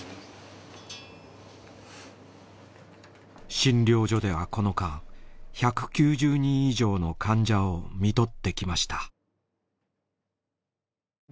診療所ではこの間１９０人以上の患者を看取ってきました。